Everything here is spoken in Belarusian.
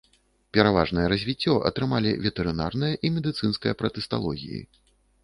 Пераважнае развіццё атрымалі ветэрынарная і медыцынская пратысталогіі.